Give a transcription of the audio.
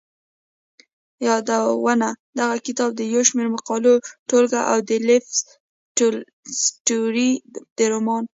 يادونه دغه کتاب د يو شمېر مقالو ټولګه او د لېف تولستوري د رومان.